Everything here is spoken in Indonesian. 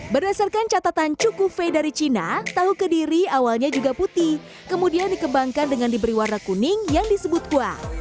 berdasarkan catatan chukufe dari cina tahu kediri awalnya juga putih kemudian dikembangkan dengan diberi warna kuning yang disebut kuah